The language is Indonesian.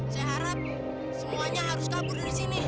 saya harap semuanya harus kabur di sini